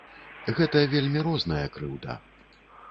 Гэта вельмі розная крыўда.